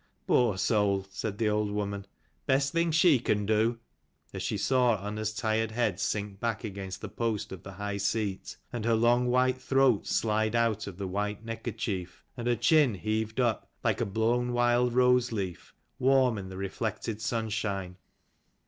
" Poor soul," said the old woman: "best thing she can do" as she saw Unna's tired head sink back against the post of the high seat, and her long white throat slide out of the white neckerchief, and her chin heaved up, like a blown wild rose leaf, warm in the reflected sunshine.